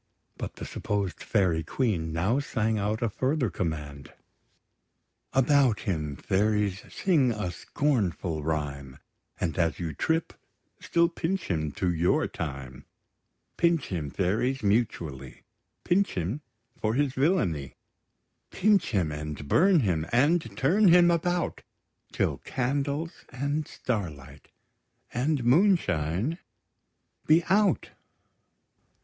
But the supposed Fairy Queen now sang out a further command: About him, fairies; sing a scornful rhyme; And, as you trip, still pinch him to your time! Pinch him, fairies, mutually, Pinch him for his villainy; Pinch him, and burn him, and turn him about, Till candles, and starlight, and moonshine be out!